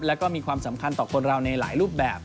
แล้วก็มีความสำคัญต่อคนเราในหลายรูปแบบ